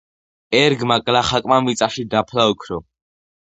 ერგმა გლახაკმა მიწაში დაფლა ოქრო